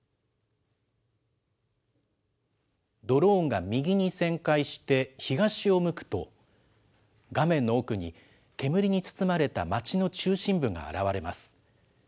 ドローンが右に旋回して東を向くと、画面の奥に、煙に包まれた町の中心部が現れます。